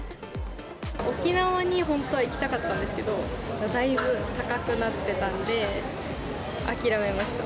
沖縄に本当は行きたかったんですけど、だいぶ高くなってたんで、諦めました。